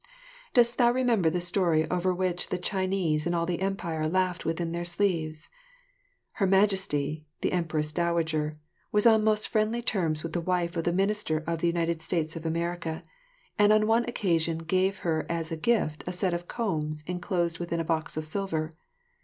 Dost thou remember the story over which the Chinese in all the Empire laughed within their sleeves? Her Majesty, the Empress Dowager, was on most friendly terms with the wife of the Minister of the United States of America, and on one occasion gave her as a gift a set of combs enclosed within a box of silver.